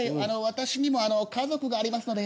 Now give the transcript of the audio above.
私にも家族がありますので。